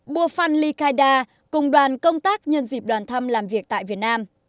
bua phan ly khai da cùng đoàn công tác nhân dịp đoàn thăm làm việc tại việt nam